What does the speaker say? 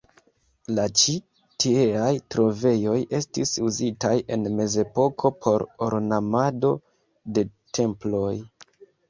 La ĉi tieaj trovejoj estis uzitaj en mezepoko por ornamado de temploj.